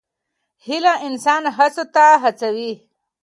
هیله انسان هڅو ته هڅوي.